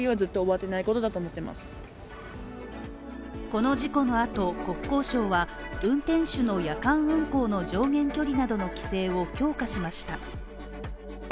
この事故の後、国交省は運転手の夜間運行の上限距離などの規制を強化しました。